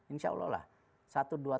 insya allah lah satu dua